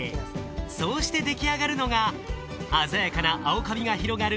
そうして出来上がるのが鮮やかな青カビが広がる